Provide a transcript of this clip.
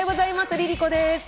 ＬｉＬｉＣｏです。